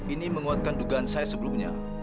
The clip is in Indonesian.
ini menguatkan dugaan saya sebelumnya